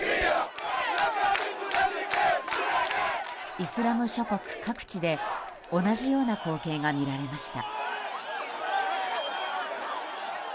イスラム諸国各地で同じような光景が見られました。